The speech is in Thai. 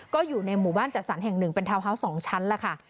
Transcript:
ก็อยู่ในหมู่บ้านจัดสรรแห่งหนึ่งเป็นทาวน์ฮาวส์๒ชั้นแล้วค่ะ